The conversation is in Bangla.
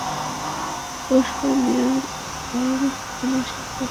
পৌরসভার মেয়র ইসমাইল খোকনের সঙ্গে একাধিকবার যোগাযোগের চেষ্টা করা হলেও তিনি ফোন ধরেননি।